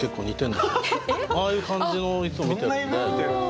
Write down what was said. ああいう感じのいつも見てるので。